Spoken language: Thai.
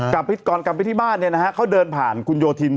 กันนี้นะฮะเขาเดินผ่านคุณโยธิภูมิ